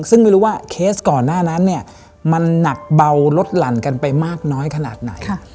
ซึ่งไม่รู้ว่าเคสก่อนหน้านั้นเนี่ยมันหนักเบาลดหลั่นกันไปมากน้อยขนาดไหน